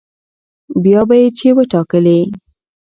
بيا به يې چې وټاکلې